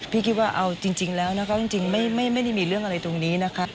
พี่คิดว่าเอาจริงแล้วนะคะจริงไม่ได้มีเรื่องอะไรตรงนี้นะคะ